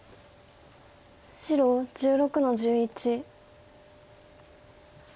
白１６の十一。